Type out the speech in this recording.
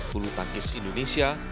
bulu takis indonesia